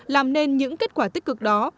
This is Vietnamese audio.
làm nên những kết quả tích cực đó